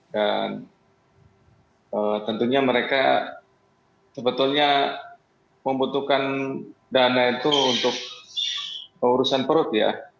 dan tentunya mereka sebetulnya membutuhkan dana itu untuk urusan perut ya